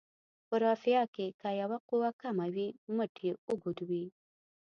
په رافعه کې که یوه قوه کمه وي مټ یې اوږد وي.